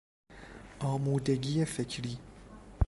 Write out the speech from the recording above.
آمودگی فکری